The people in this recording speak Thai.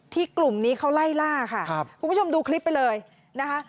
ที่กลุ่มนี้เขาไล่ล่าคุณผู้ชมดูคลิปไปเลยนะคะ